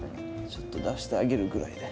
ちょっと出してあげるぐらいで。